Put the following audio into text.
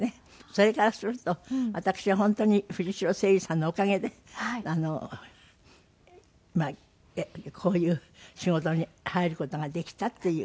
それからすると私は本当に藤城清治さんのおかげでこういう仕事に入る事ができたっていう。